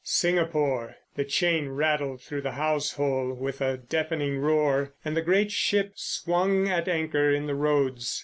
Singapore! The chain rattled through the hausehole with a deafening roar, and the great ship swung at anchor in the Roads.